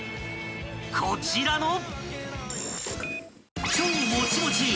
［こちらの］